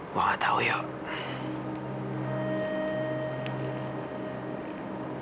gue nggak tahu yoke